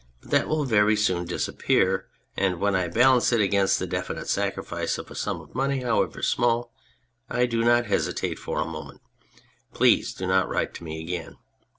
But that will veiy soon disappear, and when I balance it against the definite sacrifice of a sum of money, however small, I do not hesitate for a moment. Please do not write to me again.